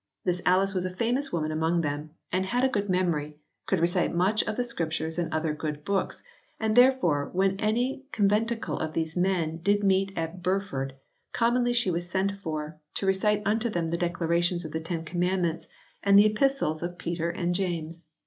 "This Alice was a famous woman among them, and had a good memory, could recite much of the Scriptures and other good books ; and therefore when any conventicle of these men did meet at Burford, commonly she was sent for, to recite unto them the declaration of the Ten Com mandments, and the Epistles of Peter and James."